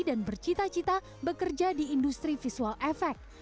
dan bercita cita bekerja di industri visual efek